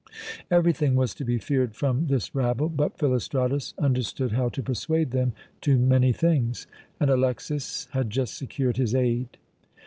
Everything was to be feared from this rabble, but Philostratus understood how to persuade them to many things, and Alexas had just secured his aid.